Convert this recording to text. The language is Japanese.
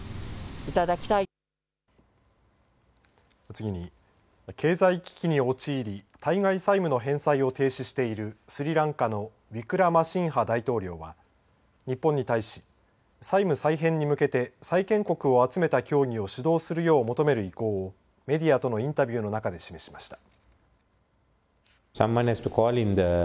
次に経済危機に陥り対外債務の返済を停止しているスリランカのウィクラマシンハ大統領は日本に対し、債務返済に向けて債権国も集めた協議を主導するよう求める意向をメディアとのインタビューの中で示しました。